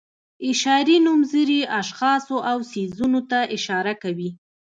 اشاري نومځري اشخاصو او څیزونو ته اشاره کوي.